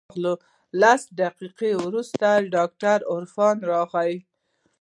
لس دقيقې وروسته ډاکتر عرفان راغى.